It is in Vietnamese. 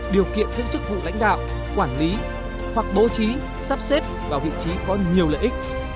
điều kiện giữ chức vụ lãnh đạo quản lý hoặc bố trí sắp xếp vào vị trí có nhiều lợi ích